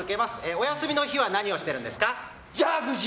お休みの日は何をしているんですか？